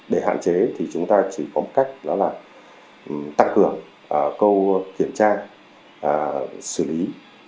để hạn chế thì chúng ta chỉ có một cách đó là tăng cường câu kiểm tra xử lý